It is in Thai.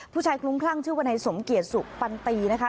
คลุ้มคลั่งชื่อวนายสมเกียจสุปันตีนะคะ